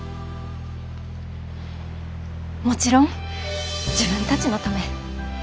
もちろん自分たちのため。